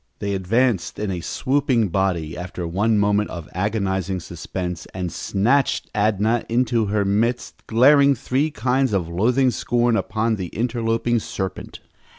They advanced in a swooping body, after one moment of agonizing suspense, and snatched Adnah into their midst, glaring three kinds of loathing scorn upon the interloping serpent.